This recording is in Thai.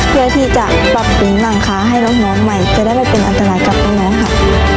เพื่อที่จะปรับปรุงหลังคาให้น้องใหม่จะได้ไม่เป็นอันตรายกับน้องค่ะ